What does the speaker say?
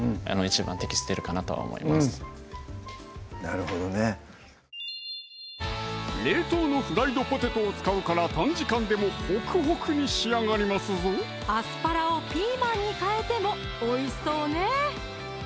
うんなるほどね冷凍のフライドポテトを使うから短時間でもほくほくに仕上がりますぞアスパラをピーマンに替えてもおいしそうね